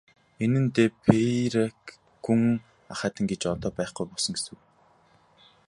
Энэ нь де Пейрак гүн ахайтан гэж одоо байхгүй болсон гэсэн үг.